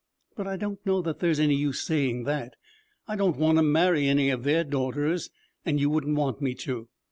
But I don't know that there's any use saying that. I don't want to marry any of their daughters and you wouldn't want me to.